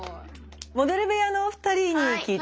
モデル部屋のお二人に聞いてみましょう。